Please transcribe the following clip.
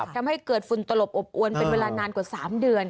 ทำให้เกิดฝุ่นตลบอบอวนเป็นเวลานานกว่า๓เดือน